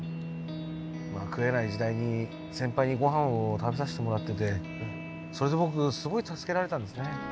食えない時代に先輩にごはんを食べさせてもらっててそれで僕すごい助けられたんですね。